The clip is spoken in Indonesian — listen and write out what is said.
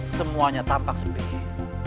semuanya tampak seperti ini